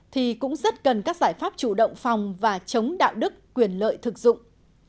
thì cũng rất cần các giải pháp chủ động phòng và chống đạo đức quyền lợi thực dụng